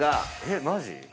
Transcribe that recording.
えっマジ？